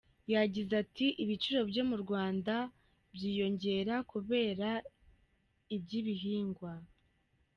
Yagize ati “Ibiciro byo mu Rwanda byiyongera kubera iby’ibihingwa.